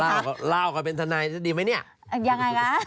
เขาก็เลยว่าแม่เขาบอกว่าให้เอาหอยโรตเตอรี่ให้พี่น้อยเอาไปขึ้นแล้ว